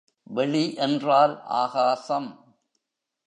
வெளி என்றால் ஆகாசம்.